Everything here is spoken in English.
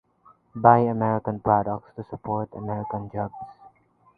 buy American products to support American jobs.